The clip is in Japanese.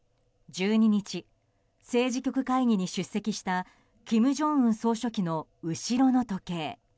１２日、政治局会議に出席した金正恩総書記の後ろの時計。